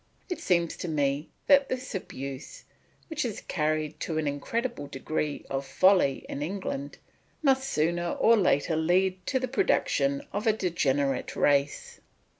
It seems to me that this abuse, which is carried to an incredible degree of folly in England, must sooner or later lead to the production of a degenerate race.